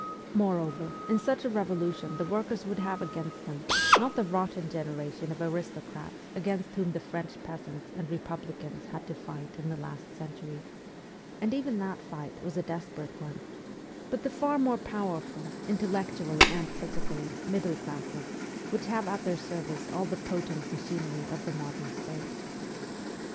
Moreover, in such a revolution 76 MEMOIRS OF A REVOLUTIONIST the workers would have against them, not the rotten generation of aristocrats against whom the French peasants and republicans had to fight in the last century and even that fight was a desperate one but the far more powerful, intellectually and physically, middle classes, which have at their service all the potent machinery of the modern State.